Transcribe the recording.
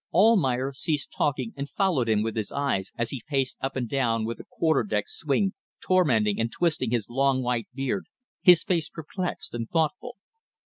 Almayer ceased talking and followed him with his eyes as he paced up and down with a quarter deck swing, tormenting and twisting his long white beard, his face perplexed and thoughtful.